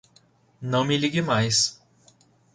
Não me ligue mais!